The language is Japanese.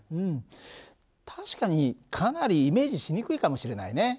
確かにかなりイメージしにくいかもしれないね。